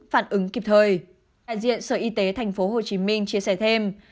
tại diện sở y tế tp hcm chia sẻ thêm